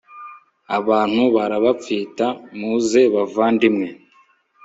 abantu arabapfita, muze bavandimwe